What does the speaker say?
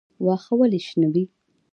واښه ولې شنه وي؟